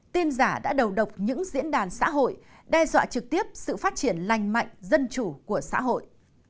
tin giả đã đầu độc những diễn đàn xã hội đe dọa trực tiếp sự phát triển lành mạnh dân chủ của xã hội